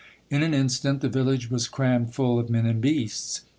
In an instant the village was crammed full of men and beasts.